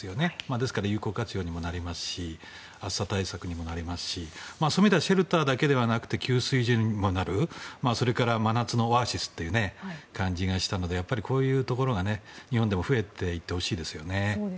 ですから有効活用にもなりますし暑さ対策にもなりますしそういう意味ではシェルターだけではなく給水所にもなるそれから真夏のオアシスという感じがしたのでこういうところが日本でも増えていってほしいですよね。